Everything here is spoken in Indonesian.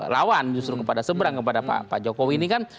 lawan justru kepada seberang kepada pak jokowi ini kan